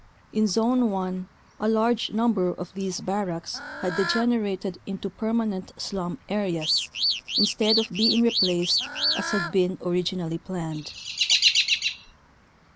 In Zone 1 a large number of these barracks had degenerated into permanent slum areas instead of being replaced as had been originally planned.